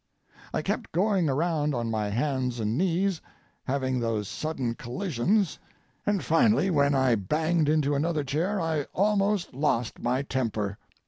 I kept going around on my hands and knees, having those sudden collisions, and finally when I banged into another chair I almost lost my temper.